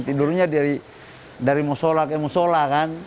tidurnya dari mau sholat ke mau sholah kan